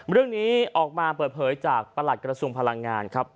เรื่องนี้ออกมาเปิดเผยจากประหลัดกระทรวงพลังงานครับ